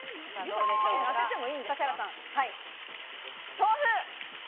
豆腐。